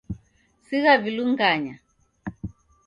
Sigha vilunganya.